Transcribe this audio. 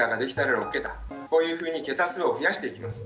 こういうふうに桁数を増やしていきます。